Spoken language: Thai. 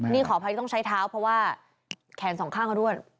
นี่ขออภัยที่ต้องใช้เท้าเพราะว่าแขนสองข้างเขาด้วย